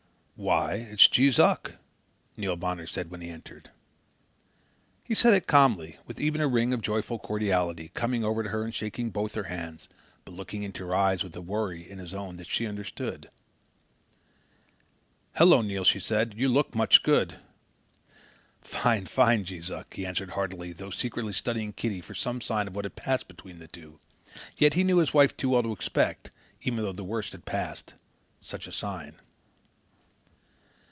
"Why, it's Jees Uck!" Neil Bonner said, when he entered. He said it calmly, with even a ring of joyful cordiality, coming over to her and shaking both her hands, but looking into her eyes with a worry in his own that she understood. "Hello, Neil!" she said. "You look much good." "Fine, fine, Jees Uck," he answered heartily, though secretly studying Kitty for some sign of what had passed between the two. Yet he knew his wife too well to expect, even though the worst had passed, such a sign.